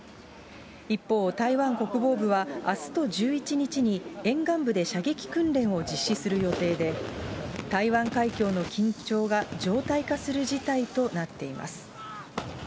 一方、台湾国防部は、あすと１１日に、沿岸部で射撃訓練を実施する予定で、台湾海峡の緊張が常態化する事態となっています。